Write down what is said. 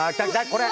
これ！